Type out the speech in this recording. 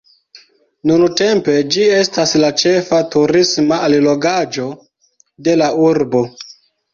Nuntempe ĝi estas la ĉefa turisma allogaĵo de la urbo.